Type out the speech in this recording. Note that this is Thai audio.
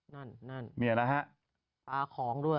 นั่นนั่นเนี่ยนะฮะปลาของด้วย